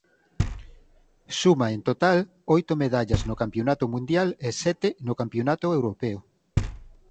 Suma en total oito medallas no Campionato Mundial e sete no Campionato Europeo.